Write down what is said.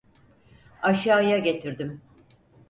Aşağıya getirdim.